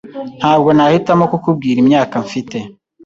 Ntabwo nahitamo kukubwira imyaka mfite.